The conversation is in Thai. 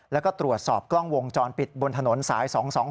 แล้วก็ตรวจสอบกล้องวงจรปิดบนถนนสาย๒๒